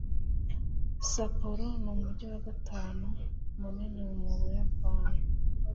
sapporo n'umujyi wa gatanu munini mu buyapani